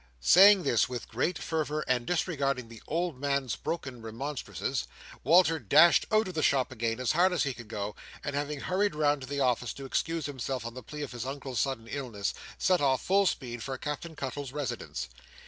Saying this with great fervour, and disregarding the old man's broken remonstrances, Walter dashed out of the shop again as hard as he could go; and, having hurried round to the office to excuse himself on the plea of his Uncle's sudden illness, set off, full speed, for Captain Cuttle's residence.